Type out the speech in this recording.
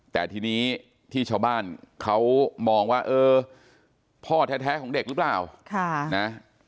แต่ทีนี้ที่ชาวบ้านเขามองว่าเออพ่อแท้ของเด็กหรือเปล่านะ